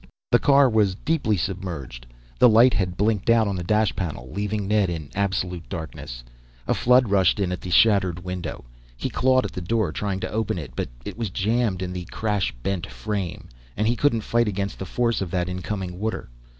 The car was deeply submerged. The light had blinked out on the dash panel, leaving Ned in absolute darkness. A flood rushed in at the shattered window. He clawed at the door, trying to open it, but it was jammed in the crash bent frame, and he couldn't fight against the force of that incoming water.